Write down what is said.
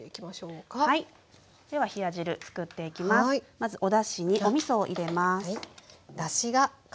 まずおだしにおみそを入れます。